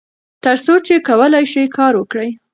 تر څو چې کولای شئ کار وکړئ.